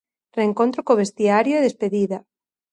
Reencontro co vestiario e despedida.